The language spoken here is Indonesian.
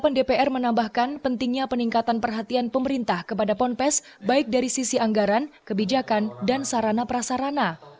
dpr menambahkan pentingnya peningkatan perhatian pemerintah kepada ponpes baik dari sisi anggaran kebijakan dan sarana prasarana